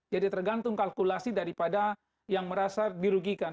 jadi tergantung kalkulasi daripada yang merasa dirugikan